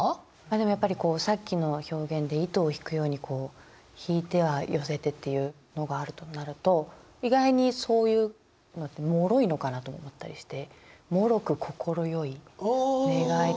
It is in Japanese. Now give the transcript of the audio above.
でもやっぱりさっきの表現で糸を引くように引いては寄せてっていうのがあるとなると意外にそういうのってもろいのかなと思ったりして「もろくこころよい寝返りの刹那に」っていう。